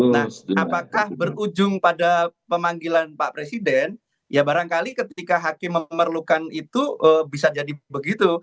nah apakah berujung pada pemanggilan pak presiden ya barangkali ketika hakim memerlukan itu bisa jadi begitu